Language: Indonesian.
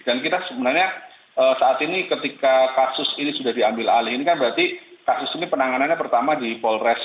dan kita sebenarnya saat ini ketika kasus ini sudah diambil alih ini kan berarti kasus ini penanganannya pertama di polres